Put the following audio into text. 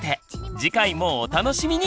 次回もお楽しみに！